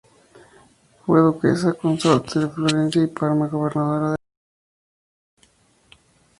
Fue duquesa consorte de Florencia y Parma y gobernadora de los Países Bajos.